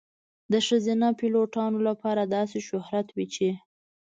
د ښځینه پیلوټانو لپاره داسې شهرت وي چې .